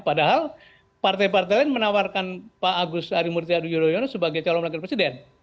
padahal partai partain menawarkan pak agus arimurti aduyudhoyono sebagai calon wakil presiden